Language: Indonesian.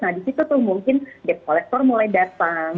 nah disitu tuh mungkin debt collector mulai datang